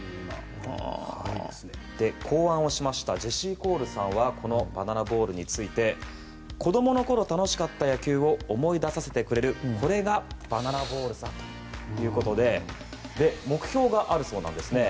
考案をしたジェシー・コールさんはこのバナナボールについて子どもの頃、楽しかった野球を思い出させてくれるこれがバナナボールさということで目標があるそうなんです。